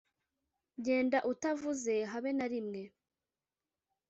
genda utavuze habe narimwe